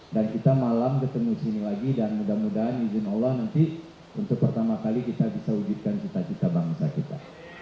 dan kita malam ketemu sini lagi dan mudah mudahan izin allah nanti untuk pertama kali kita bisa wujudkan cita cita bangsa kita